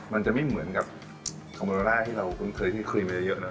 มันจะไม่เหมือนกับคาร์โบราล่าที่เราเคยที่เคลียมมาเยอะ